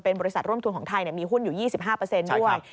บริษัทร่วมทุนของไทยมีหุ้นอยู่๒๕ด้วย